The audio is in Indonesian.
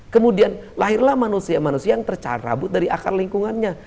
kemudian lahirlah manusia manusia yang tercarabut dari akar lingkungannya